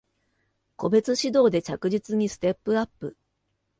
個別指導で着実にステップアップ